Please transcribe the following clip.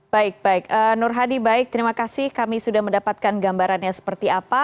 baik baik nur hadi baik terima kasih kami sudah mendapatkan gambarannya seperti apa